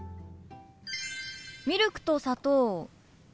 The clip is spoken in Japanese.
ミルクと砂糖いる？